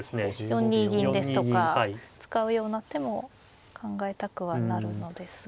４二銀ですとか使うような手も考えたくはなるのですが。